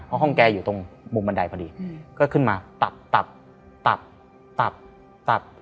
เพราะห้องแกอยู่ตรงมุมบันไดพอดีก็ขึ้นมาตับตับตับตับตับ